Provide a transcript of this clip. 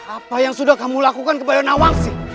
apa yang sudah kamu lakukan ke bayo nawang sih